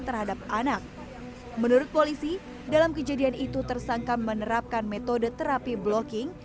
terhadap anak menurut polisi dalam kejadian itu tersangka menerapkan metode terapi blocking